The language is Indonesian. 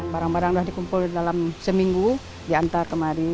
barang barang sudah dikumpul dalam seminggu diantar kemari